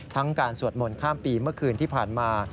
การสวดมนต์ข้ามปีเมื่อคืนที่ผ่านมา